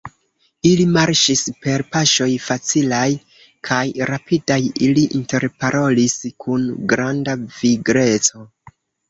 Ili marŝis per paŝoj facilaj kaj rapidaj, ili interparolis kun granda vigleco.